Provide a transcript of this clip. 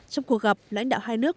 trong cuộc gặp lãnh đạo hai nước